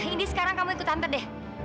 indi sekarang kamu ikut tante deh